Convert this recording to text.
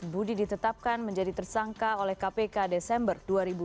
budi ditetapkan menjadi tersangka oleh kpk desember dua ribu dua puluh